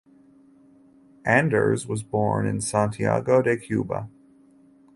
Anders was born in Santiago de Cuba.